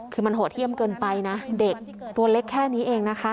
คือมันโหดเยี่ยมเกินไปนะเด็กตัวเล็กแค่นี้เองนะคะ